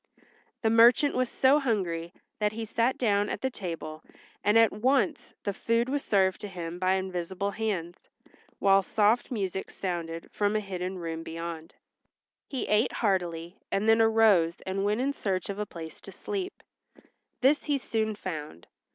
The merchant was so hungry that he sat down at the table, and at once the food was served to him by invisible hands, while soft music sounded from a hidden room beyond. He ate heartily and then arose and went in search of a place to sleep. This he soon found.